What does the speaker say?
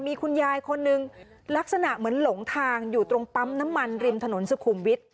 มีคุณยายคนหนึ่งลักษณะเหมือนหลงทางอยู่ตรงปั๊มน้ำมันริมถนนสุขุมวิทย